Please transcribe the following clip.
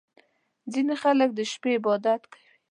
• ځینې خلک د شپې عبادت کوي.